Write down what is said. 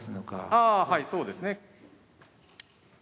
ああはいそうですね。